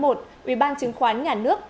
ủy ban chứng khoán nhà nước